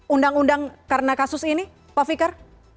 undang undang karena kasus ini pak fikar